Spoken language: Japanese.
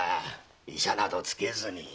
医者などつけずに。